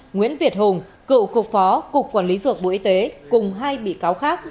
nguyễn việt hùng cựu cục phó cục quản lý dược bộ y tế cùng hai bị cáo khác